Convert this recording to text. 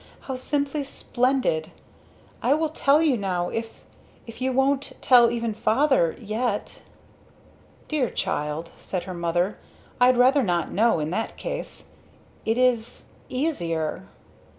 "How simply splendid! I will tell you now if if you won't tell even Father yet." "Dear child" said her Mother, "I'd rather not know in that case. It is easier."